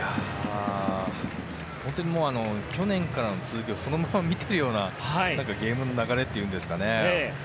本当に去年からの続きをそのまま見てるようなゲームの流れというんですかね。